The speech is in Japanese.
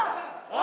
あ！